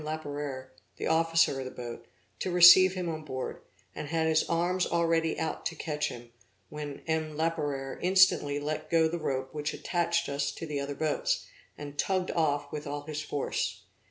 Laperere, the officer of the boat, to receive him on board, and had his arms already out to catch him, when M. Laperere instantly let go the rope which attached us to the other boats, and tugged off with all his force.